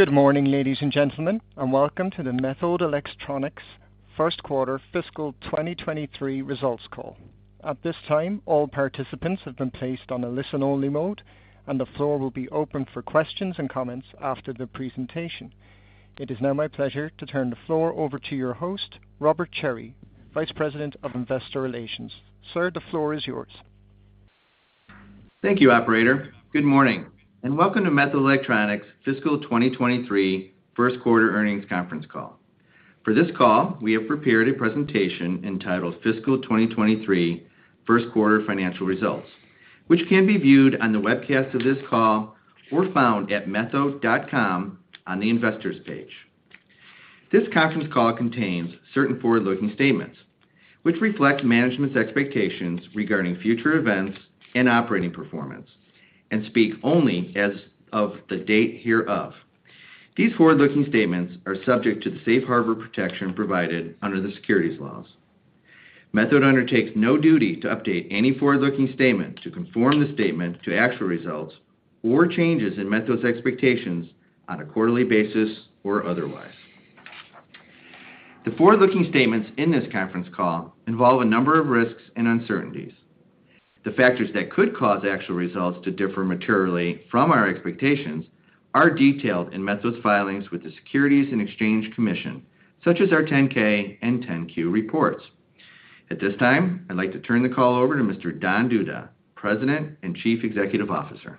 Good morning, ladies and gentlemen, and welcome to the Methode Electronics First Quarter Fiscal 2023 Results Call. At this time, all participants have been placed on a listen-only mode, and the floor will be open for questions and comments after the presentation. It is now my pleasure to turn the floor over to your host, Robert Cherry, Vice President of Investor Relations. Sir, the floor is yours. Thank you, operator. Good morning, and welcome to Methode Electronics fiscal 2023 first quarter earnings conference call. For this call, we have prepared a presentation entitled Fiscal 2023 First Quarter Financial Results, which can be viewed on the webcast of this call or found at methode.com on the Investors page. This conference call contains certain forward-looking statements, which reflect management's expectations regarding future events and operating performance and speak only as of the date hereof. These forward-looking statements are subject to the safe harbor protection provided under the securities laws. Methode undertakes no duty to update any forward-looking statement to conform the statement to actual results or changes in Methode's expectations on a quarterly basis or otherwise. The forward-looking statements in this conference call involve a number of risks and uncertainties. The factors that could cause actual results to differ materially from our expectations are detailed in Methode's filings with the Securities and Exchange Commission, such as our 10-K and 10-Q reports. At this time, I'd like to turn the call over to Mr. Don Duda, President and Chief Executive Officer.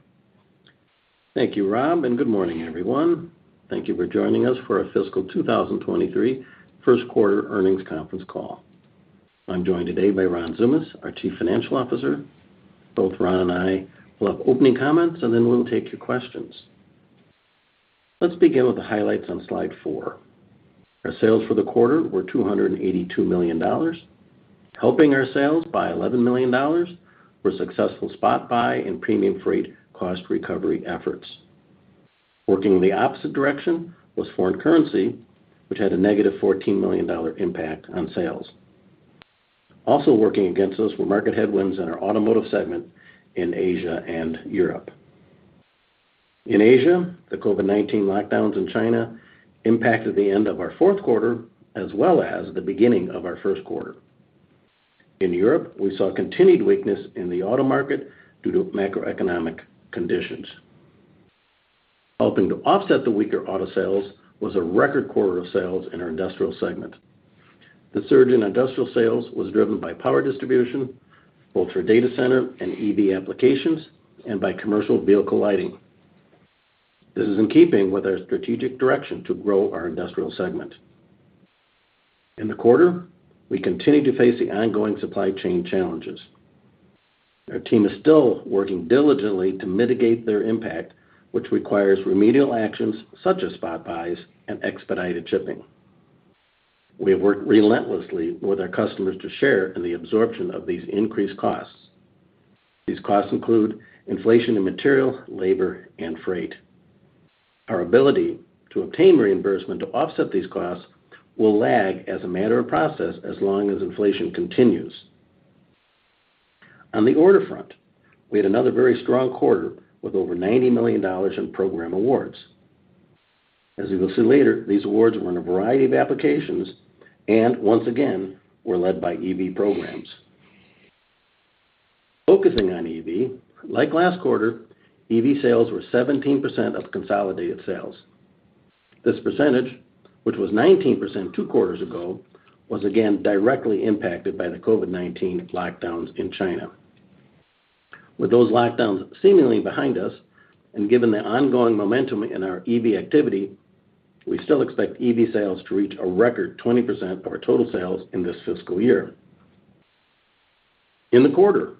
Thank you, Rob, and good morning, everyone. Thank you for joining us for our fiscal 2023 first quarter earnings conference call. I'm joined today by Ron Tsoumas, our Chief Financial Officer. Both Ron and I will have opening comments, and then we'll take your questions. Let's begin with the highlights on slide four. Our sales for the quarter were $282 million, helping our sales by $11 million were successful spot buy and premium freight cost recovery efforts. Working in the opposite direction was foreign currency, which had a -$14 million impact on sales. Also working against us were market headwinds in our Automotive segment in Asia and Europe. In Asia, the COVID-19 lockdowns in China impacted the end of our fourth quarter as well as the beginning of our first quarter. In Europe, we saw continued weakness in the auto market due to macroeconomic conditions. Helping to offset the weaker auto sales was a record quarter of sales in our Industrial segment. The surge in industrial sales was driven by power distribution, both for data center and EV applications, and by commercial vehicle lighting. This is in keeping with our strategic direction to grow our Industrial segment. In the quarter, we continued to face the ongoing supply chain challenges. Our team is still working diligently to mitigate their impact, which requires remedial actions such as spot buys and expedited shipping. We have worked relentlessly with our customers to share in the absorption of these increased costs. These costs include inflation in material, labor, and freight. Our ability to obtain reimbursement to offset these costs will lag as a matter of process as long as inflation continues. On the order front, we had another very strong quarter with over $90 million in program awards. As you will see later, these awards were in a variety of applications and, once again, were led by EV programs. Focusing on EV, like last quarter, EV sales were 17% of consolidated sales. This percentage, which was 19% two quarters ago, was again directly impacted by the COVID-19 lockdowns in China. With those lockdowns seemingly behind us and given the ongoing momentum in our EV activity, we still expect EV sales to reach a record 20% of our total sales in this fiscal year. In the quarter,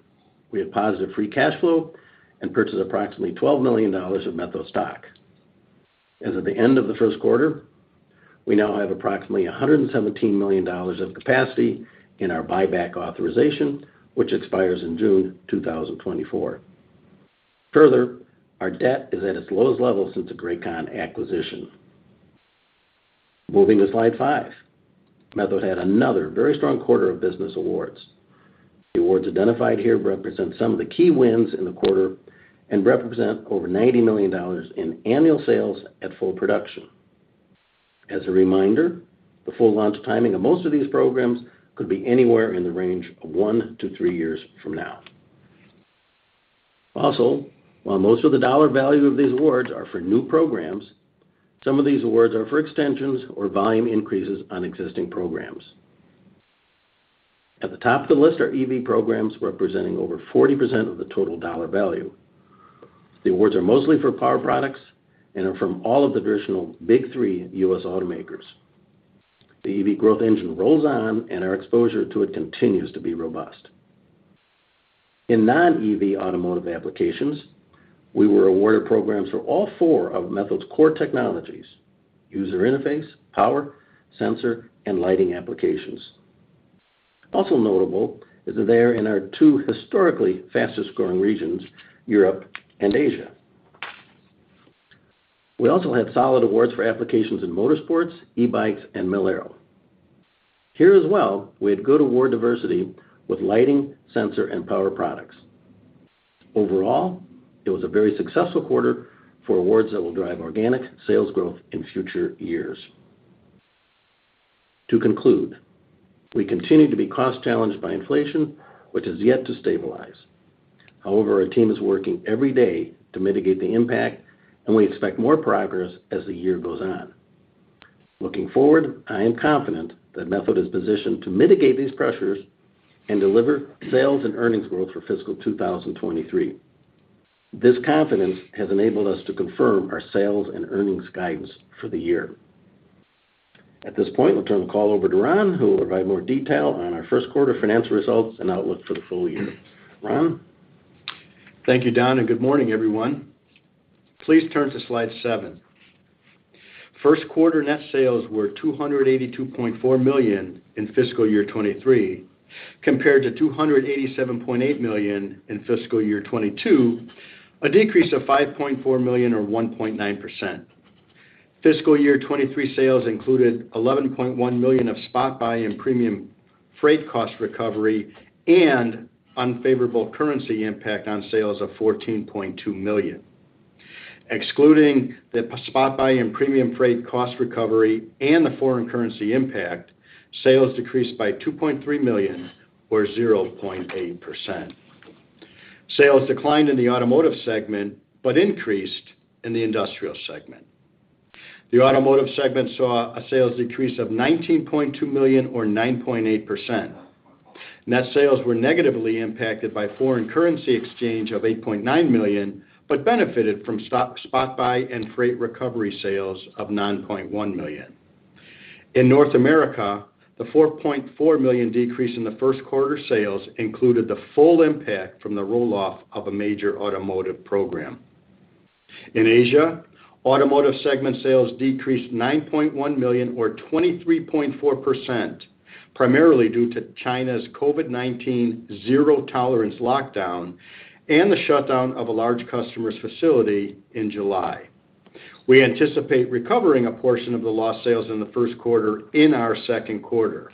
we had positive free cash flow and purchased approximately $12 million of Methode stock. As of the end of the first quarter, we now have approximately $117 million of capacity in our buyback authorization, which expires in June 2024. Further, our debt is at its lowest level since the Grakon acquisition. Moving to slide five. Methode had another very strong quarter of business awards. The awards identified here represent some of the key wins in the quarter and represent over $90 million in annual sales at full production. As a reminder, the full launch timing of most of these programs could be anywhere in the range of one-three years from now. Also, while most of the dollar value of these awards are for new programs, some of these awards are for extensions or volume increases on existing programs. At the top of the list are EV programs representing over 40% of the total dollar value. The awards are mostly for power products and are from all of the traditional Big Three U.S. automakers. The EV growth engine rolls on, and our exposure to it continues to be robust. In non-EV automotive applications, we were awarded programs for all four of Methode's core technologies, user interface, power, sensor, and lighting applications. Also notable is that they are in our two historically fastest-growing regions, Europe and Asia. We also had solid awards for applications in motorsports, e-bikes, and Mil-Aero. Here as well, we had good award diversity with lighting, sensor, and power products. Overall, it was a very successful quarter for awards that will drive organic sales growth in future years. To conclude, we continue to be cost challenged by inflation, which is yet to stabilize. However, our team is working every day to mitigate the impact, and we expect more progress as the year goes on. Looking forward, I am confident that Methode is positioned to mitigate these pressures and deliver sales and earnings growth for fiscal 2023. This confidence has enabled us to confirm our sales and earnings guidance for the year. At this point, I'll turn the call over to Ron, who will provide more detail on our first quarter financial results and outlook for the full year. Ron? Thank you, Don, and good morning, everyone. Please turn to slide seven. First quarter net sales were $282.4 million in fiscal year 2023, compared to $287.8 million in fiscal year 2022, a decrease of $5.4 million or 1.9%. Fiscal year 2023 sales included $11.1 million of spot buy and premium freight cost recovery and unfavorable currency impact on sales of $14.2 million. Excluding the spot buy and premium freight cost recovery and the foreign currency impact, sales decreased by $2.3 million or 0.8%. Sales declined in the Automotive segment, but increased in the Industrial segment. The Automotive segment saw a sales decrease of $19.2 million or 9.8%. Net sales were negatively impacted by foreign currency exchange of $8.9 million, but benefited from spot buy and freight recovery sales of $9.1 million. In North America, the $4.4 million decrease in the first quarter sales included the full impact from the roll-off of a major automotive program. In Asia, Automotive segment sales decreased $9.1 million or 23.4%, primarily due to China's COVID-19 zero-tolerance lockdown and the shutdown of a large customer's facility in July. We anticipate recovering a portion of the lost sales in the first quarter in our second quarter.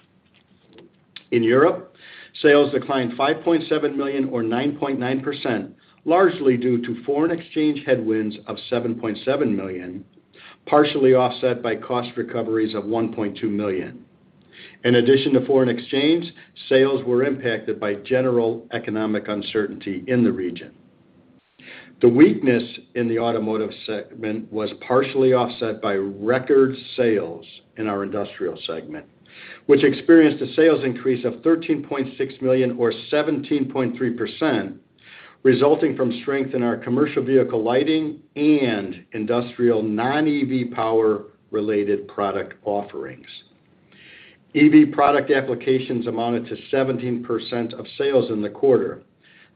In Europe, sales declined $5.7 million or 9.9%, largely due to foreign exchange headwinds of $7.7 million, partially offset by cost recoveries of $1.2 million. In addition to foreign exchange, sales were impacted by general economic uncertainty in the region. The weakness in the Automotive segment was partially offset by record sales in our Industrial segment, which experienced a sales increase of $13.6 million or 17.3%, resulting from strength in our commercial vehicle lighting and industrial non-EV power related product offerings. EV product applications amounted to 17% of sales in the quarter.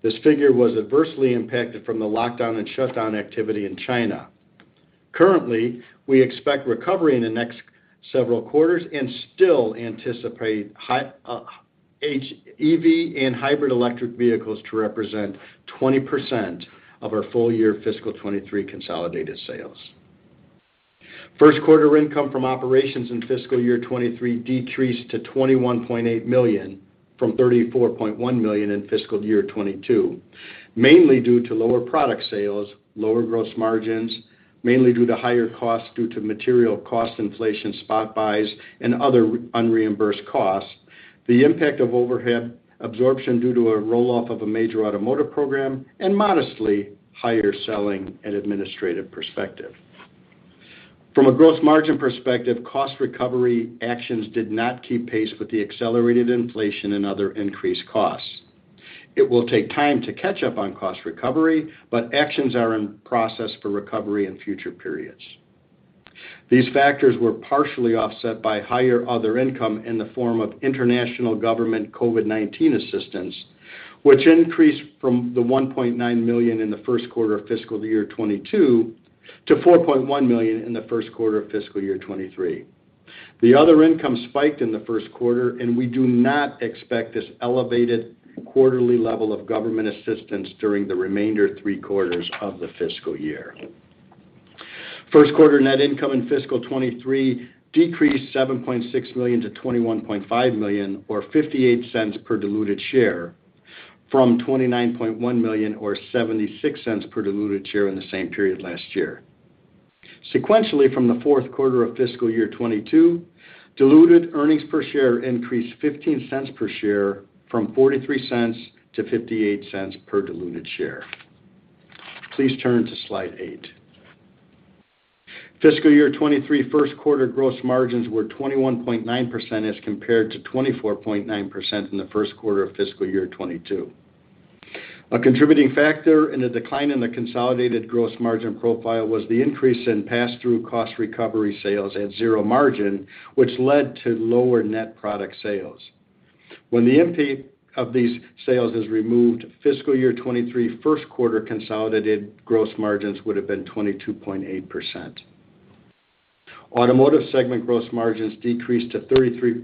This figure was adversely impacted from the lockdown and shutdown activity in China. Currently, we expect recovery in the next several quarters and still anticipate high EV and hybrid electric vehicles to represent 20% of our full year fiscal 2023 consolidated sales. First quarter income from operations in fiscal year 2023 decreased to $21.8 million from $34.1 million in fiscal year 2022, mainly due to lower product sales, lower gross margins, mainly due to higher costs due to material cost inflation, spot buys, and other unreimbursed costs, the impact of overhead absorption due to a roll-off of a major automotive program, and modestly higher selling and administrative expenses. From a gross margin perspective, cost recovery actions did not keep pace with the accelerated inflation and other increased costs. It will take time to catch up on cost recovery, but actions are in process for recovery in future periods. These factors were partially offset by higher other income in the form of international government COVID-19 assistance, which increased from the $1.9 million in the first quarter of fiscal year 2022 to $4.1 million in the first quarter of fiscal year 2023. The other income spiked in the first quarter, and we do not expect this elevated quarterly level of government assistance during the remaining three quarters of the fiscal year. First quarter net income in fiscal 2023 decreased $7.6 million to $21.5 million or $0.58 per diluted share from $29.1 million or $0.76 per diluted share in the same period last year. Sequentially from the fourth quarter of fiscal year 2022, diluted earnings per share increased $0.15 per share from $0.43-$0.58 per diluted share. Please turn to slide eight. Fiscal year 2023 first quarter gross margins were 21.9% as compared to 24.9% in the first quarter of fiscal year 2022. A contributing factor in the decline in the consolidated gross margin profile was the increase in pass-through cost recovery sales at zero margin, which led to lower net product sales. When the impact of these sales is removed, fiscal year 2023 first quarter consolidated gross margins would have been 22.8%. Automotive segment gross margins decreased to 33%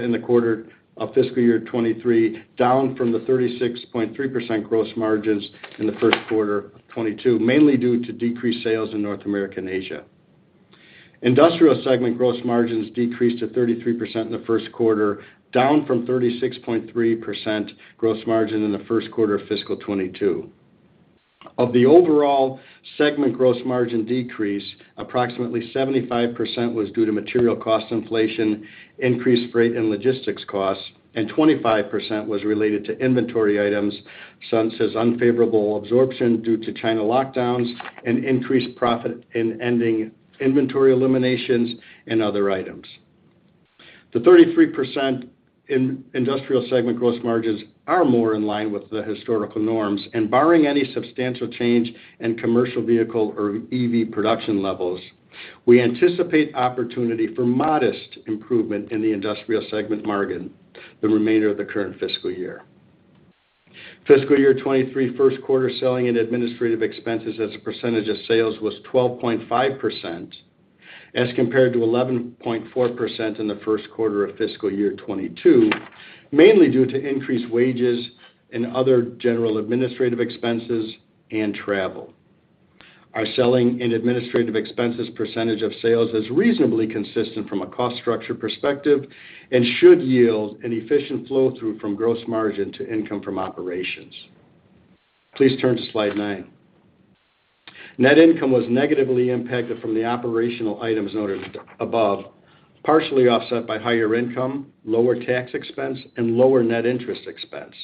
in the quarter of fiscal year 2023, down from the 36.3% gross margins in the first quarter of 2022, mainly due to decreased sales in North America and Asia. Industrial segment gross margins decreased to 33% in the first quarter, down from 36.3% gross margin in the first quarter of fiscal 2022. Of the overall segment gross margin decrease, approximately 75% was due to material cost inflation, increased freight and logistics costs, and 25% was related to inventory items, such as unfavorable absorption due to China lockdowns and increased profit in ending inventory eliminations and other items. The 33% in Industrial segment gross margins are more in line with the historical norms, and barring any substantial change in commercial vehicle or EV production levels, we anticipate opportunity for modest improvement in the Industrial segment margin the remainder of the current fiscal year. Fiscal year 2023 first quarter selling and administrative expenses as a percentage of sales was 12.5%, as compared to 11.4% in the first quarter of fiscal year 2022, mainly due to increased wages and other general administrative expenses and travel. Our selling and administrative expenses percentage of sales is reasonably consistent from a cost structure perspective and should yield an efficient flow-through from gross margin to income from operations. Please turn to slide nine. Net income was negatively impacted from the operational items noted above, partially offset by higher income, lower tax expense, and lower net interest expense.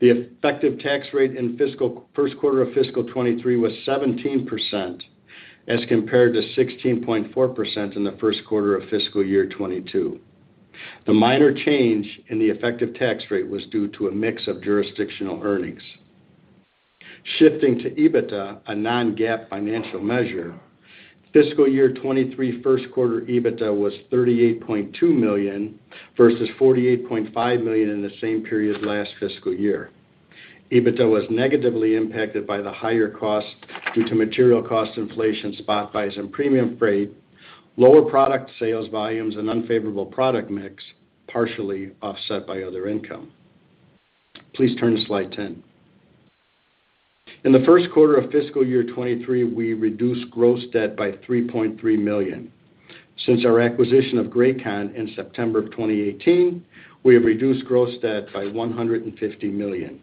The effective tax rate in fiscal first quarter of fiscal 2023 was 17% as compared to 16.4% in the first quarter of fiscal year 2022. The minor change in the effective tax rate was due to a mix of jurisdictional earnings. Shifting to EBITDA, a non-GAAP financial measure, fiscal year 2023 first quarter EBITDA was $38.2 million versus $48.5 million in the same period last fiscal year. EBITDA was negatively impacted by the higher cost due to material cost inflation, spot buys and premium freight, lower product sales volumes and unfavorable product mix, partially offset by other income. Please turn to slide 10. In the first quarter of fiscal year 2023, we reduced gross debt by $3.3 million. Since our acquisition of Grakon in September of 2018, we have reduced gross debt by $150 million.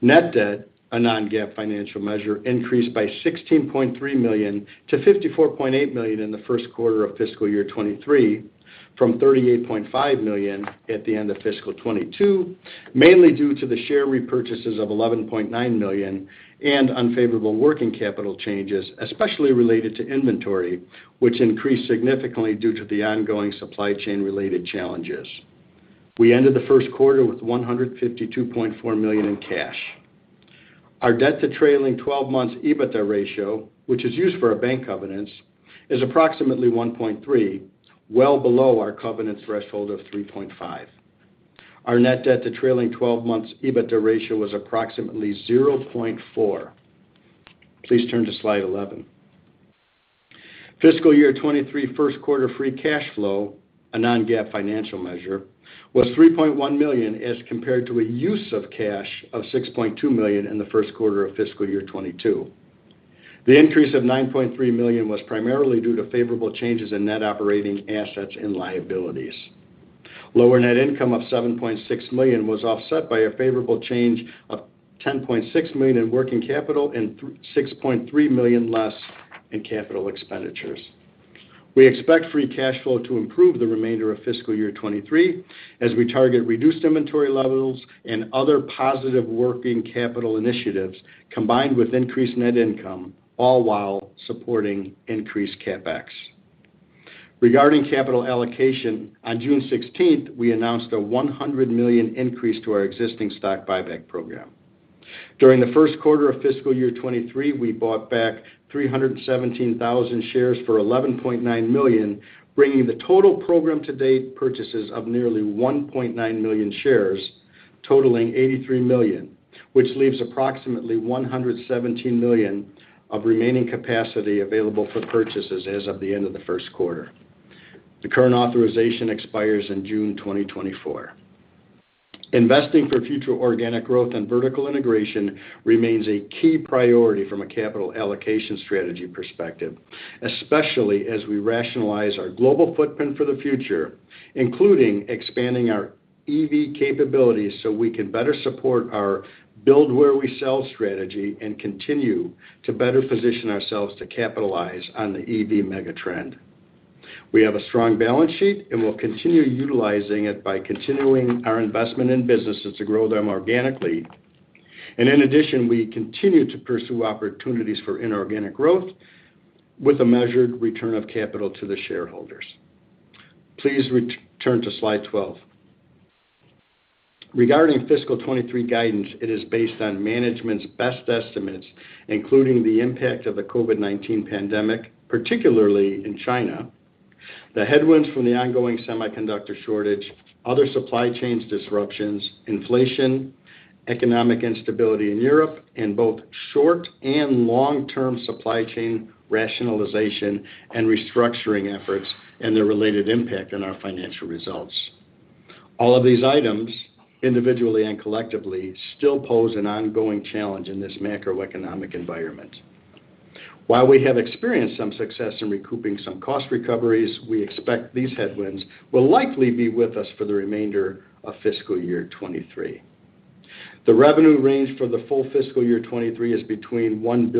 Net debt, a non-GAAP financial measure, increased by $16.3 million-$54.8 million in the first quarter of fiscal year 2023 from $38.5 million at the end of fiscal 2022, mainly due to the share repurchases of $11.9 million and unfavorable working capital changes, especially related to inventory, which increased significantly due to the ongoing supply chain related challenges. We ended the first quarter with $152.4 million in cash. Our debt to trailing 12 months EBITDA ratio, which is used for our bank covenants, is approximately 1.3, well below our covenant threshold of 3.5. Our net debt to trailing 12 months EBITDA ratio was approximately 0.4. Please turn to slide 11. Fiscal year 2023 first quarter free cash flow, a non-GAAP financial measure, was $3.1 million as compared to a use of cash of $6.2 million in the first quarter of fiscal year 2022. The increase of $9.3 million was primarily due to favorable changes in net operating assets and liabilities. Lower net income of $7.6 million was offset by a favorable change of $10.6 million in working capital and $6.3 million less in capital expenditures. We expect free cash flow to improve the remainder of fiscal year 2023 as we target reduced inventory levels and other positive working capital initiatives combined with increased net income, all while supporting increased CapEx. Regarding capital allocation, on June 16, we announced a $100 million increase to our existing stock buyback program. During the first quarter of fiscal year 2023, we bought back 317,000 shares for $11.9 million, bringing the total program to date purchases of nearly 1.9 million shares, totaling $83 million, which leaves approximately $117 million of remaining capacity available for purchases as of the end of the first quarter. The current authorization expires in June 2024. Investing for future organic growth and vertical integration remains a key priority from a capital allocation strategy perspective, especially as we rationalize our global footprint for the future, including expanding our EV capabilities so we can better support our build where we sell strategy and continue to better position ourselves to capitalize on the EV mega trend. We have a strong balance sheet, and we'll continue utilizing it by continuing our investment in businesses to grow them organically. In addition, we continue to pursue opportunities for inorganic growth with a measured return of capital to the shareholders. Please return to slide 12. Regarding fiscal 2023 guidance, it is based on management's best estimates, including the impact of the COVID-19 pandemic, particularly in China, the headwinds from the ongoing semiconductor shortage, other supply chains disruptions, inflation, economic instability in Europe, and both short and long-term supply chain rationalization and restructuring efforts and their related impact on our financial results. All of these items, individually and collectively, still pose an ongoing challenge in this macroeconomic environment. While we have experienced some success in recouping some cost recoveries, we expect these headwinds will likely be with us for the remainder of fiscal year 2023. The revenue range for the full fiscal year 2023 is between $1.16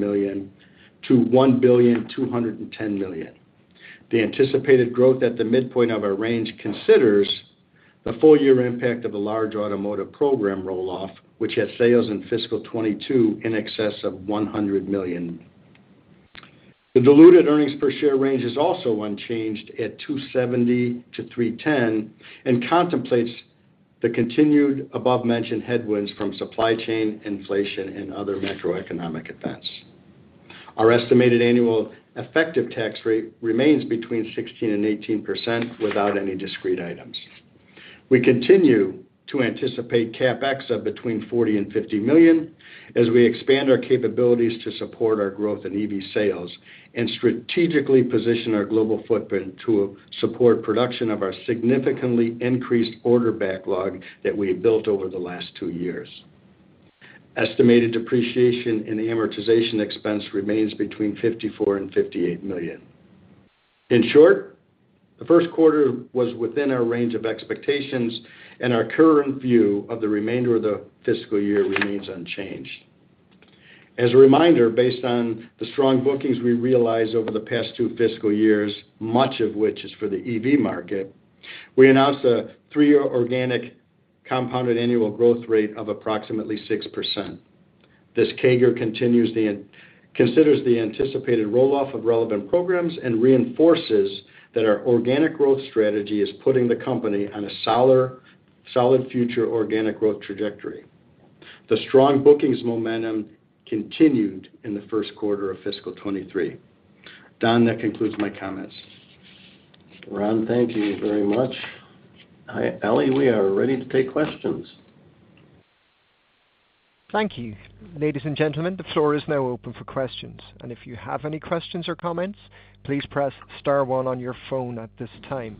billion-$1.21 billion. The anticipated growth at the midpoint of our range considers the full year impact of a large automotive program roll-off, which had sales in fiscal 2022 in excess of $100 million. The diluted earnings per share range is also unchanged at $2.70-$3.10, and contemplates the continued above-mentioned headwinds from supply chain inflation and other macroeconomic events. Our estimated annual effective tax rate remains between 16% and 18% without any discrete items. We continue to anticipate CapEx of between $40 million and $50 million as we expand our capabilities to support our growth in EV sales and strategically position our global footprint to support production of our significantly increased order backlog that we have built over the last two years. Estimated depreciation and amortization expense remains between $54 million and $58 million. In short, the first quarter was within our range of expectations, and our current view of the remainder of the fiscal year remains unchanged. As a reminder, based on the strong bookings we realized over the past two fiscal years, much of which is for the EV market, we announced a three-year organic compounded annual growth rate of approximately 6%. This CAGR considers the anticipated roll-off of relevant programs and reinforces that our organic growth strategy is putting the company on a solid future organic growth trajectory. The strong bookings momentum continued in the first quarter of fiscal 2023. Don, that concludes my comments. Ron, thank you very much. Hi, Ali, we are ready to take questions. Thank you. Ladies and gentlemen, the floor is now open for questions. If you have any questions or comments, please press star one on your phone at this time.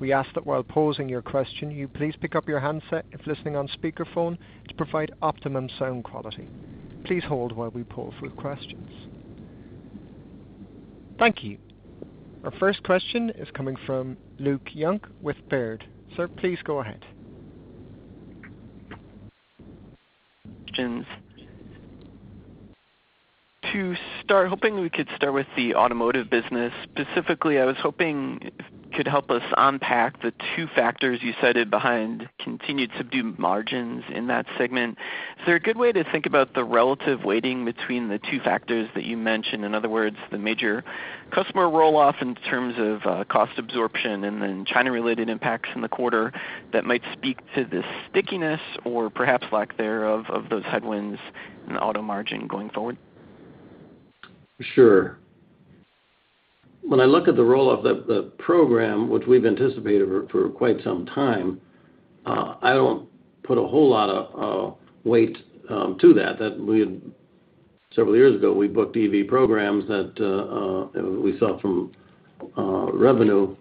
We ask that while posing your question, you please pick up your handset if listening on speakerphone to provide optimum sound quality. Please hold while we pull through questions. Thank you. Our first question is coming from Luke Junk with Baird. Sir, please go ahead. To start, hoping we could start with the automotive business. Specifically, I was hoping if you could help us unpack the two factors you cited behind continued subdued margins in that segment. Is there a good way to think about the relative weighting between the two factors that you mentioned? In other words, the major customer roll-off in terms of cost absorption and then China-related impacts in the quarter that might speak to the stickiness or perhaps lack thereof of those headwinds in auto margin going forward? Sure. When I look at the roll-off of the program, which we've anticipated for quite some time, I don't put a whole lot of weight to that. Several years ago, we booked EV programs that we saw from revenue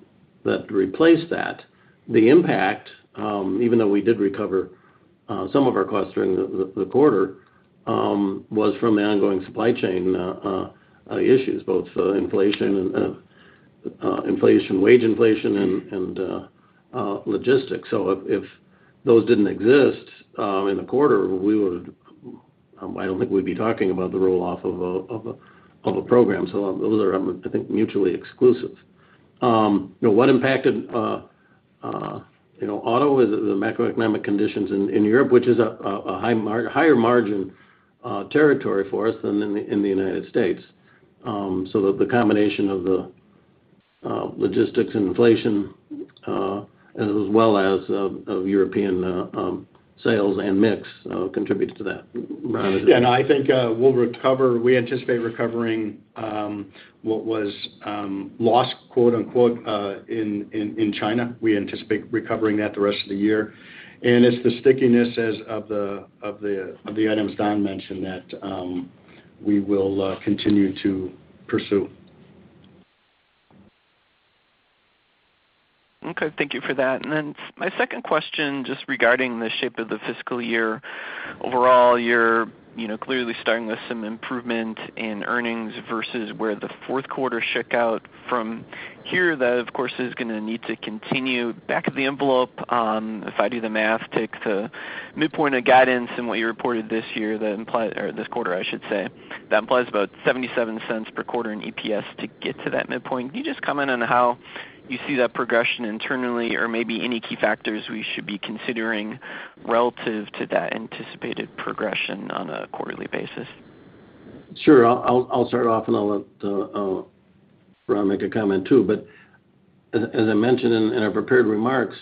that replaced that. The impact, even though we did recover some of our costs during the quarter, was from the ongoing supply chain issues, both inflation and wage inflation and logistics. If those didn't exist in the quarter, I don't think we'd be talking about the roll-off of a program. Those are, I think, mutually exclusive. What impacted, you know, auto is the macroeconomic conditions in Europe, which is a higher margin territory for us than in the United States. The combination of the logistics inflation as well as European sales and mix contributes to that. Ron, is there- I think we'll recover. We anticipate recovering what was "lost", in China. We anticipate recovering that the rest of the year. It's the stickiness of the items Don mentioned that we will continue to pursue. Okay. Thank you for that. Then my second question, just regarding the shape of the fiscal year. Overall, you're, you know, clearly starting with some improvement in earnings versus where the fourth quarter shook out from here. That, of course, is gonna need to continue back of the envelope, if I do the math, take the midpoint of guidance and what you reported this year, that implies. Or this quarter, I should say, that implies about $0.77 per quarter in EPS to get to that midpoint. Can you just comment on how you see that progression internally or maybe any key factors we should be considering relative to that anticipated progression on a quarterly basis? Sure. I'll start off and I'll let Ron make a comment too. As I mentioned in our prepared remarks,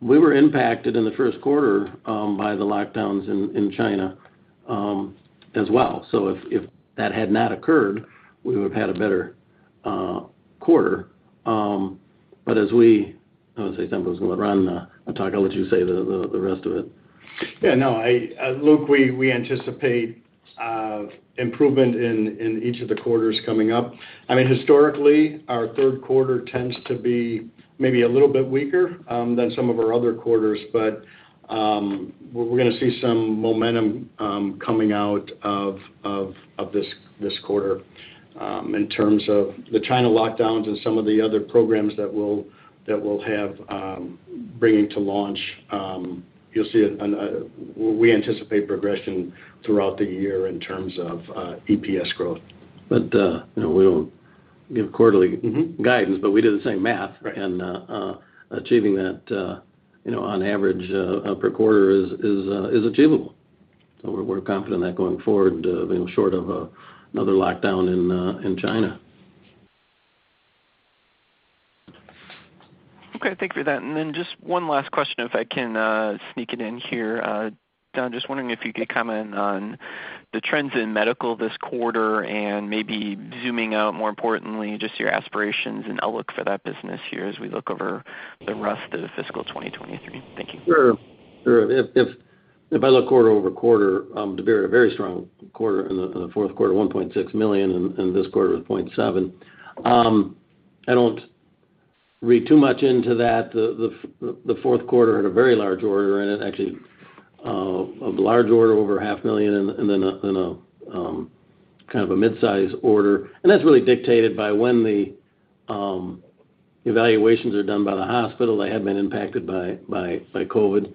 we were impacted in the first quarter by the lockdowns in China as well. If that had not occurred, we would have had a better quarter. I would say Ron, I'll let you say the rest of it. Yeah, no. I, Luke, we anticipate improvement in each of the quarters coming up. I mean, historically, our third quarter tends to be maybe a little bit weaker than some of our other quarters, but we're gonna see some momentum coming out of this quarter. In terms of the China lockdowns and some of the other programs that we'll have bringing to launch, you'll see it. We anticipate progression throughout the year in terms of EPS growth. You know, we don't give quarterly. Mm-hmm guidance, but we did the same math. Right. Achieving that, you know, on average, per quarter is achievable. We're confident that going forward, you know, short of another lockdown in China. Okay. Thank you for that. Just one last question, if I can, sneak it in here. Don, just wondering if you could comment on the trends in medical this quarter, and maybe zooming out more importantly, just your aspirations and outlook for that business here as we look over the rest of the fiscal 2023. Thank you. Sure. If I look QoQ, Dabir had a very strong quarter in the fourth quarter, $1.6 million, and this quarter was $0.7 million. I don't read too much into that. The fourth quarter had a very large order in it, actually, a large order over $0.5 million and then a kind of a midsize order. That's really dictated by when the evaluations are done by the hospital. They had been impacted by COVID.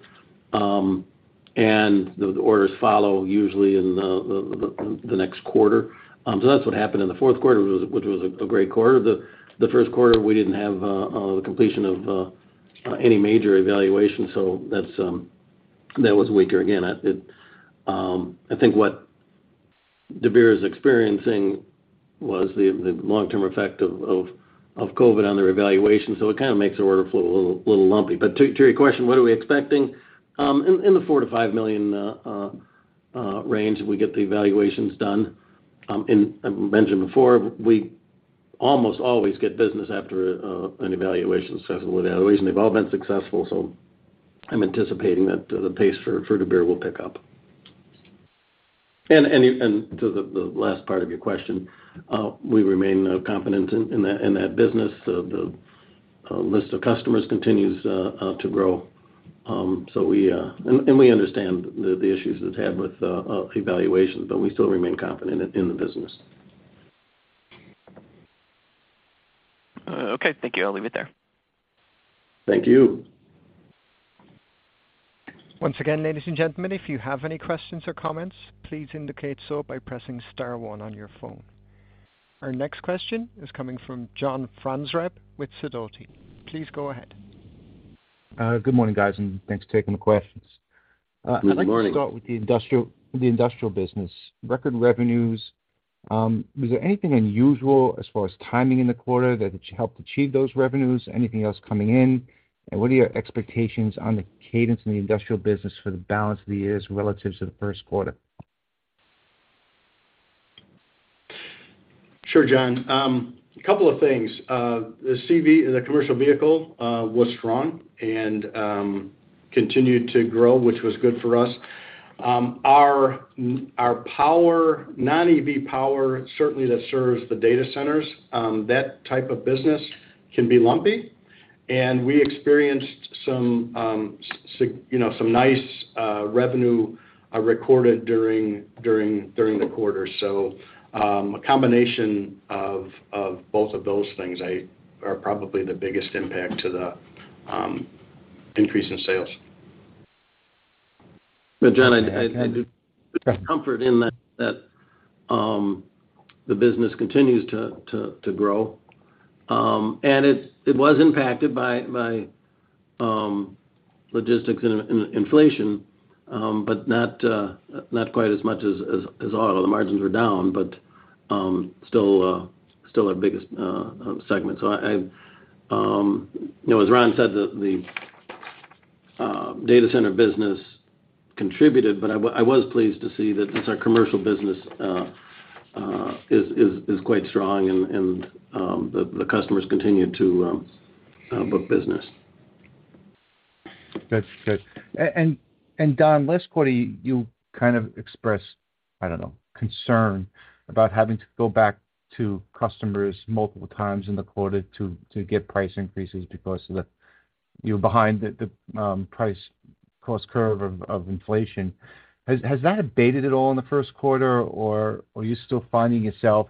The orders follow usually in the next quarter. That's what happened in the fourth quarter, which was a great quarter. The first quarter, we didn't have the completion of any major evaluation, so that was weaker. I think what Dabir is experiencing was the long-term effect of COVID on their evaluation, so it kind of makes the order flow a little lumpy. To your question, what are we expecting? In the $4 million-$5 million range, we get the evaluations done. I mentioned before, we almost always get business after an evaluation. The evaluations, they've all been successful, so I'm anticipating that the pace for Dabir will pick up. To the last part of your question, we remain confident in that business. The list of customers continues to grow. So we... We understand the issues it's had with evaluations, but we still remain confident in the business. Okay. Thank you. I'll leave it there. Thank you. Once again, ladies and gentlemen, if you have any questions or comments, please indicate so by pressing star one on your phone. Our next question is coming from John Franzreb with Sidoti. Please go ahead. Good morning, guys, and thanks for taking the questions. Good morning. I'd like to start with the industrial, the industrial business. Record revenues, was there anything unusual as far as timing in the quarter that helped achieve those revenues? Anything else coming in? What are your expectations on the cadence in the industrial business for the balance of the years relative to the first quarter? Sure, John. A couple of things. The CV, the commercial vehicle, was strong and continued to grow, which was good for us. Our power, non-EV power, certainly that serves the data centers, that type of business can be lumpy. We experienced some you know, some nice revenue recorded during the quarter. A combination of both of those things are probably the biggest impact to the increase in sales. John, I do take comfort in that the business continues to grow. It was impacted by logistics and inflation, but not quite as much as auto. The margins were down, but still our biggest segment. You know, as Ron said, the data center business contributed, but I was pleased to see that it's our commercial business is quite strong and the customers continue to book business. That's good. Don, last quarter, you kind of expressed, I don't know, concern about having to go back to customers multiple times in the quarter to get price increases because you're behind the price cost curve of inflation. Has that abated at all in the first quarter, or are you still finding yourself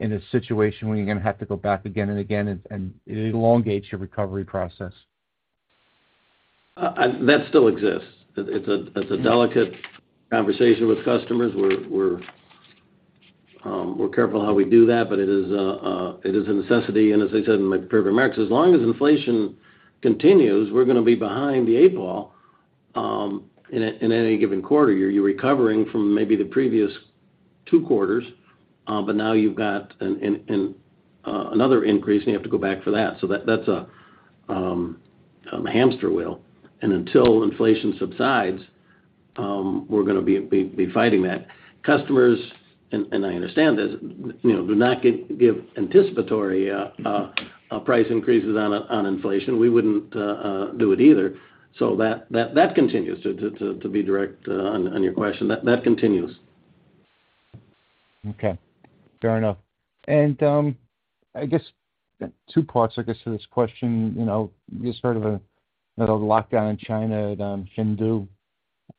in a situation where you're gonna have to go back again and again, and it elongates your recovery process? That still exists. It's a delicate conversation with customers. We're careful how we do that, but it is a necessity. As I said in my prepared remarks, as long as inflation continues, we're gonna be behind the eight ball in any given quarter. You're recovering from maybe the previous two quarters, but now you've got another increase, and you have to go back for that. That's a hamster wheel. Until inflation subsides, we're gonna be fighting that. Customers and I understand this, you know, do not give anticipatory price increases on inflation. We wouldn't do it either. That continues. To be direct, on your question, that continues. Okay, fair enough. I guess two parts, I guess, to this question. You know, we just heard of a little lockdown in China at Chengdu.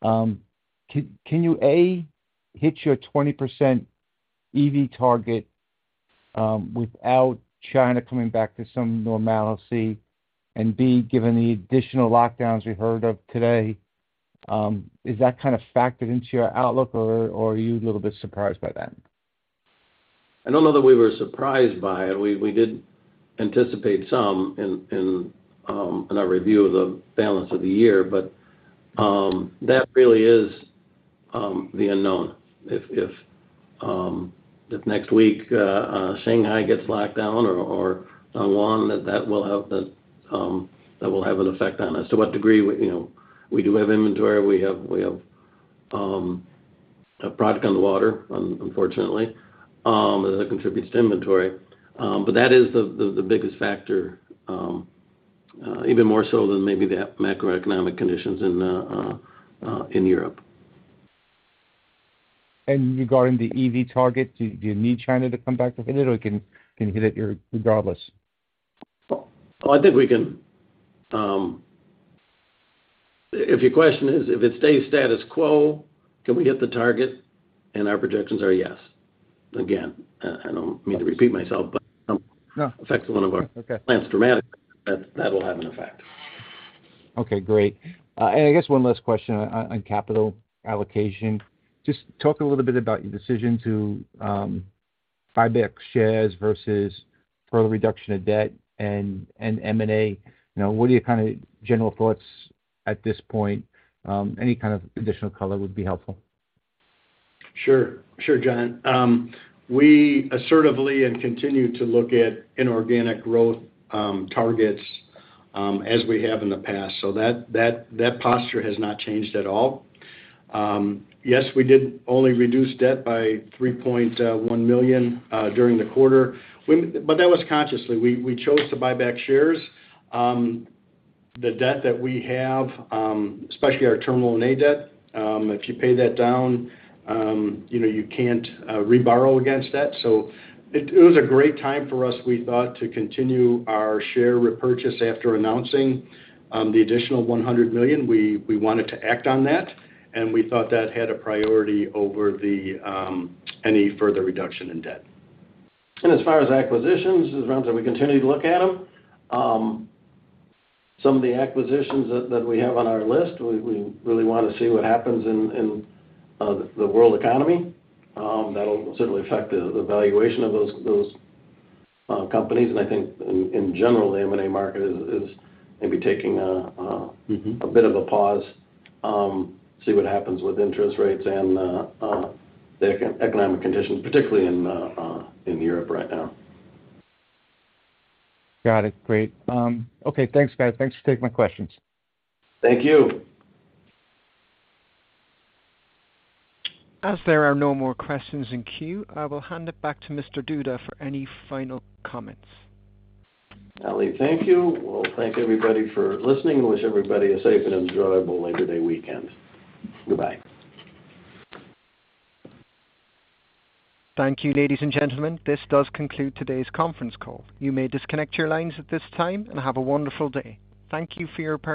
Can you, A, hit your 20% EV target without China coming back to some normalcy? B, given the additional lockdowns we heard of today, is that kind of factored into your outlook or are you a little bit surprised by that? I don't know that we were surprised by it. We did anticipate some in our review of the balance of the year, but that really is the unknown. If next week Shanghai gets locked down or along that will have an effect on us. To what degree? We, you know, we do have inventory. We have a product on the water, unfortunately, that contributes to inventory. That is the biggest factor, even more so than maybe the macroeconomic conditions in Europe. Regarding the EV target, do you need China to come back to hit it, or can you hit it regardless? Oh, I think we can. If your question is if it stays status quo, can we hit the target? Our projections are yes. Again, I don't mean to repeat myself, but. No. -affect one of our- Okay. plans dramatically, that will have an effect. Okay, great. I guess one last question on capital allocation. Just talk a little bit about your decision to buy back shares versus further reduction of debt and M&A. You know, what are your kinda general thoughts at this point? Any kind of additional color would be helpful. Sure, John. We assertively and continue to look at inorganic growth targets as we have in the past. That posture has not changed at all. Yes, we did only reduce debt by $3.1 million during the quarter. That was consciously. We chose to buy back shares. The debt that we have, especially our Term Loan A debt, if you pay that down, you know, you can't reborrow against that. It was a great time for us, we thought, to continue our share repurchase after announcing the additional $100 million. We wanted to act on that, and we thought that had a priority over any further reduction in debt. As far as acquisitions is concerned, we continue to look at them. Some of the acquisitions that we have on our list, we really wanna see what happens in the world economy. That'll certainly affect the valuation of those companies. I think in general, the M&A market is maybe taking a Mm-hmm. A bit of a pause, see what happens with interest rates and the economic conditions, particularly in Europe right now. Got it. Great. Okay, thanks, guys. Thanks for taking my questions. Thank you. As there are no more questions in queue, I will hand it back to Mr. Duda for any final comments. Ali, thank you. Well, thank everybody for listening. Wish everybody a safe and enjoyable Labor Day weekend. Goodbye. Thank you, ladies and gentlemen. This does conclude today's conference call. You may disconnect your lines at this time, and have a wonderful day. Thank you for your participation.